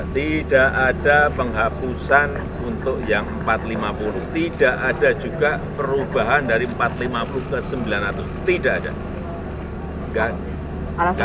tidak ada penghapusan untuk yang empat ratus lima puluh tidak ada juga perubahan dari empat ratus lima puluh ke sembilan ratus tidak ada